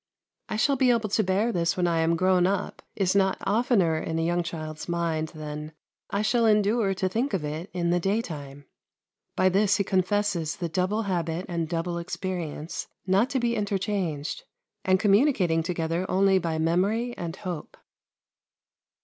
"I shall be able to bear this when I am grown up" is not oftener in a young child's mind than "I shall endure to think of it in the day time." By this he confesses the double habit and double experience, not to be interchanged, and communicating together only by memory and hope.